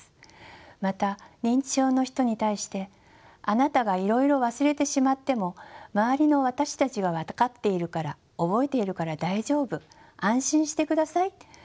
また認知症の人に対してあなたがいろいろ忘れてしまっても周りの私たちが分かっているから覚えているから大丈夫安心してくださいと話すことがあります。